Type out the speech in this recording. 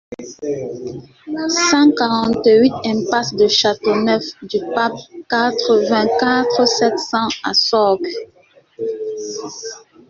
cent quarante-huit impasse de Châteauneuf-du-Pape, quatre-vingt-quatre, sept cents à Sorgues